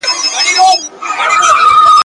بلبلکي کوچېدلي ګلغوټۍ دي رژېدلي ..